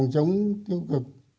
chống tiêu cực